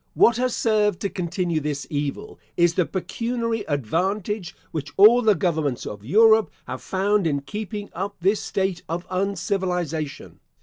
What has served to continue this evil, is the pecuniary advantage which all the governments of Europe have found in keeping up this state of uncivilisation.